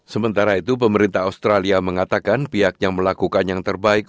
sementara itu pemerintah australia mengatakan pihaknya melakukan yang terbaik